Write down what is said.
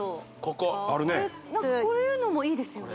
こここういうのもいいですよね